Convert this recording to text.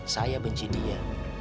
saya benci dia